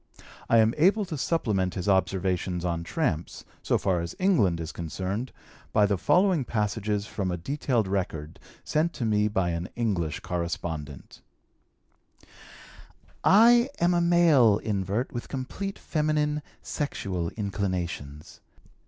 I am able to supplement his observations on tramps, so far as England is concerned, by the following passages from a detailed record sent to me by an English correspondent: "I am a male invert with complete feminine, sexual inclinations.